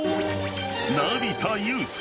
［成田悠輔。